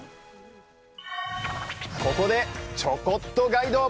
ここでちょこっとガイド！